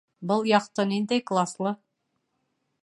Был яхта ниндәй класлы?